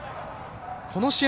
この試合